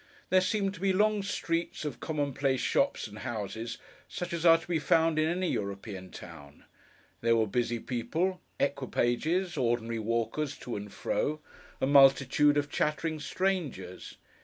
There seemed to be long streets of commonplace shops and houses, such as are to be found in any European town; there were busy people, equipages, ordinary walkers to and fro; a multitude of chattering strangers.